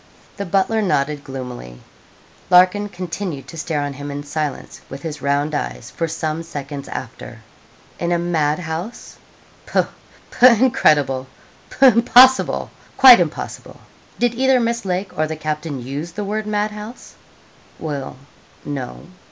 The butler nodded gloomily. Larkin continued to stare on him in silence, with his round eyes, for some seconds after. 'In a mad house! Pooh, pooh! incredible! Pooh! impossible quite impossible. Did either Miss Lake or the captain use the word mad house?' 'Well, no.'